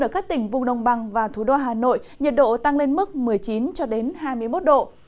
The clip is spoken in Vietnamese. ở các tỉnh vùng nông bằng và thủ đô hà nội nhiệt độ tăng lên mức một mươi chín hai mươi một độ